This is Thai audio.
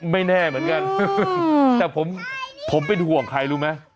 ไม่แน่เหมือนกันแต่ผมเป็นห่วงใครรู้ไหม